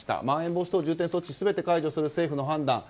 まん延防止等重点措置全て解除するという政府の判断。